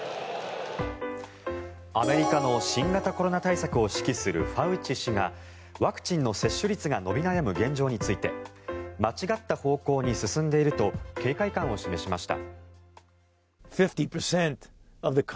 アメリカの新型コロナ対策を指揮するファウチ氏がワクチンの接種率が伸び悩む現状について間違った方向に進んでいると警戒感を示しました。